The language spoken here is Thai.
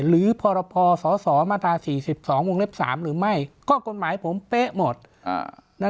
หรือพอรพสอสอมาตราสี่สิบสองวงเล็บสามหรือไม่ก็กฎหมายผมเป๊ะหมดอ่า